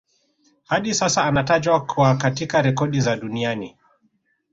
Hadi sasa anatajwa kwa katika rekodi za duniani